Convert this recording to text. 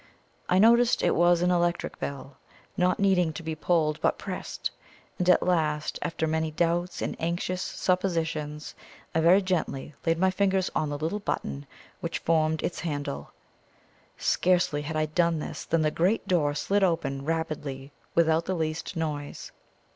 I noticed it was an electric bell, not needing to be pulled but pressed; and at last, after many doubts and anxious suppositions, I very gently laid my fingers on the little button which formed its handle. Scarcely had I done this than the great door slid open rapidly without the least noise.